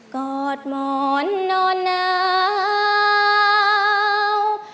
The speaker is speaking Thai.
กอดหมอนนอนหนาว